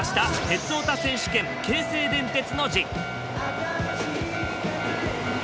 「鉄オタ選手権京成電鉄の陣」！